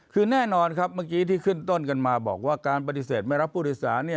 คือแน่นอนครับเมื่อกี้ที่ขึ้นต้นกันมาบอกว่าการปฏิเสธไม่รับผู้โดยสาร